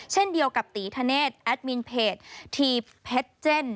เช่นเดียวกับตีธเนธแอดมินเพจทีเพชเจน